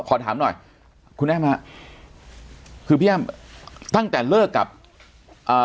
ขอถามหน่อยคุณแอ้มฮะคือพี่อ้ำตั้งแต่เลิกกับอ่า